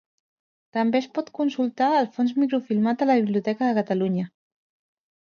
També es pot consultar el fons microfilmat a la Biblioteca de Catalunya.